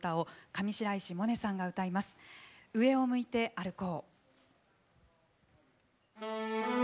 「上を向いて歩こう」。